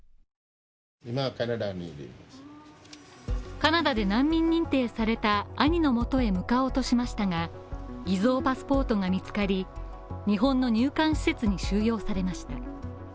カナダで難民認定された兄の元へ向かおうとしましたが、偽造パスポートが見つかり、日本の入管施設に収容されました。